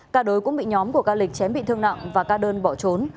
cả đối cũng bị nhóm của ca lịch chém bị thương nặng và ca đơn bỏ trốn